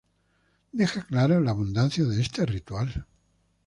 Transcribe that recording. Deja claro la abundancia de este ritual.